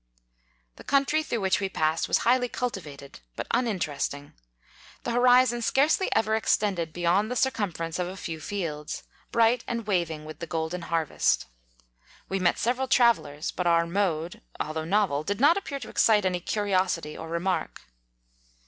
The country through which we pass ed was highly cultivated, but uninter esting; the horizon scarcely ever ex tended beyond the circumference of a few fields, bright and waving with the golden harvest. We met several tra vellers; but our mode, although novel, 17 did not appear to excite any curiosity or remark.